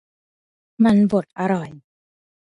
มันบดอร่อย